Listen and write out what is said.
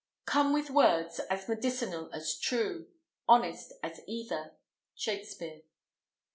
Come with words as medicinal as true, Honest as either. Shakspere.